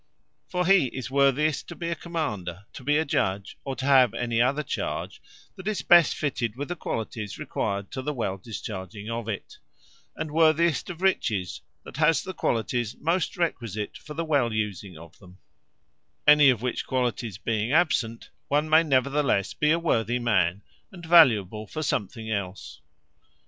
For he is Worthiest to be a Commander, to be a Judge, or to have any other charge, that is best fitted, with the qualities required to the well discharging of it; and Worthiest of Riches, that has the qualities most requisite for the well using of them: any of which qualities being absent, one may neverthelesse be a Worthy man, and valuable for some thing else.